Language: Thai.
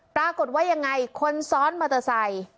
ปรากฏว่ายังไงคนซ้อนมอเตอร์ไซค์